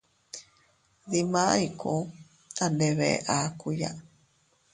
Dimay kuu a ndebe akuya.